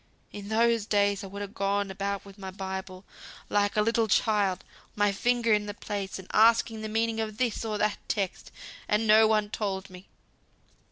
In those days I would ha' gone about wi' my Bible, like a little child, my finger in th' place, and asking the meaning of this or that text, and no one told me.